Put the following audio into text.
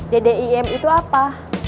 ddim itu apa